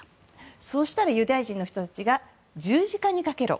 そうしたらユダヤ人の人たちが十字架にかけろ。